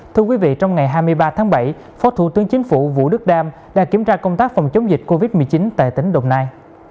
thưa quý vị trong ngày hai mươi ba tháng bảy phó thủ tướng chính phủ vũ đức đam đã kiểm tra công tác phòng chống dịch covid một mươi chín tại tỉnh đồng nai